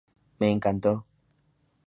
Me encantó.